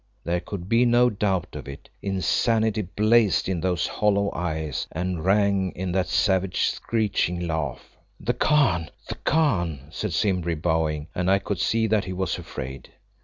There could be no doubt of it; insanity blazed in those hollow eyes and rang in that savage, screeching laugh. "The Khan! The Khan!" said Simbri, bowing, and I could see that he was afraid.